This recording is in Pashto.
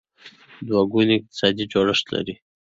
دوه ګونی اقتصادي جوړښت لري.